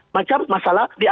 macam masalah di aceh